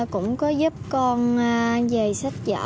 cũng có giúp con về sách giở